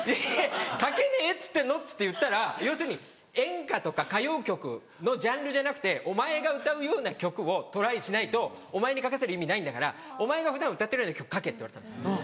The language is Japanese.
「書けねえっつってんの」って言ったら要するに「演歌とか歌謡曲のジャンルじゃなくてお前が歌うような曲をトライしないとお前に書かせる意味ないんだからお前が普段歌ってるような曲書け」って言われたんですよ。